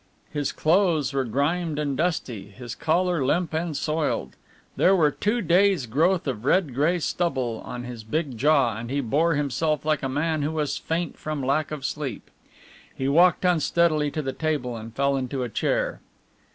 His clothes were grimed and dusty, his collar limp and soiled. There were two days' growth of red grey stubble on his big jaw, and he bore himself like a man who was faint from lack of sleep. He walked unsteadily to the table and fell into a chair.